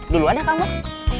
dulu ada kang bos